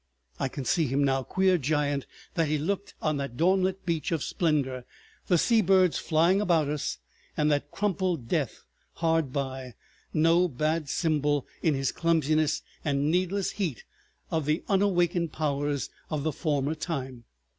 I can see him now, queer giant that he looked on that dawnlit beach of splendor, the sea birds flying about us and that crumpled death hard by, no bad symbol in his clumsiness and needless heat of the unawakened powers of the former time.